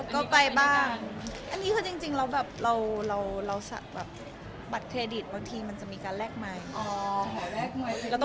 ก็ไปบ้างอันนี้คือจริงเราสั่งบัตรเครดิตบางทีมันจะมีการแลกมา